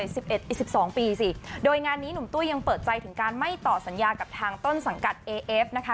สิบเอ็ดอีกสิบสองปีสิโดยงานนี้หนุ่มตุ้ยยังเปิดใจถึงการไม่ต่อสัญญากับทางต้นสังกัดเอเอฟนะคะ